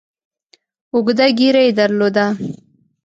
اوږده ږیره یې درلوده.